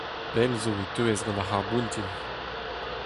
Pell zo e teuez gant ar c'harr-boutin.